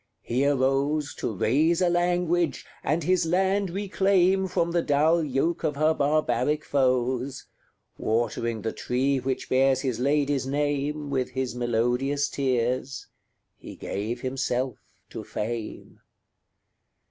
He arose To raise a language, and his land reclaim From the dull yoke of her barbaric foes: Watering the tree which bears his lady's name With his melodious tears, he gave himself to fame.